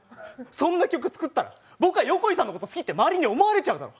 そんな曲作ったら、僕横井さんのこと好きって周りに思われちゃうだろ！